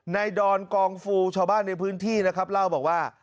ดอนกองฟูชาวบ้านในพื้นที่นะครับเล่าบอกว่า